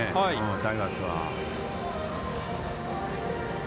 タイガースは。